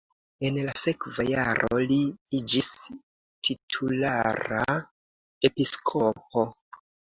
En la sekva jaro li iĝis titulara episkopo.